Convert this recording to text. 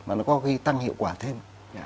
mà nó có khi tăng hiệu quả thêm